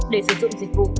để sử dụng dịch vụ